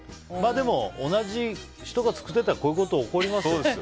でも、同じ人が作ったらこういうこと起こりますよ。